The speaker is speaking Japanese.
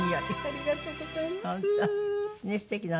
ありがとうございます。